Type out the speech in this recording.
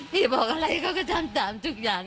พี่บอกอะไรเขาก็ทำตามทุกอย่าง